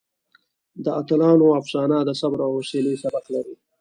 د اتلانو افسانه د صبر او حوصلې سبق لري.